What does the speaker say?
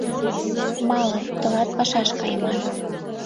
Мале, тылат пашаш кайыман.